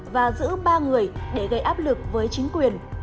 và giữ ba người để gây áp lực với chính quyền